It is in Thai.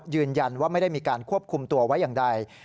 ยืนยันว่าไม่ได้มีการควบคุมตัวไว้อย่างใด